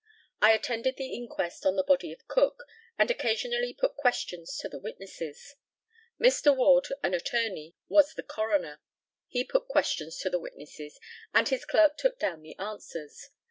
I attended the inquest on the body of Cook, and occasionally put questions to the witnesses. Mr. Ward, an attorney, was the coroner. He put questions to the witnesses, and his clerk took down the answers.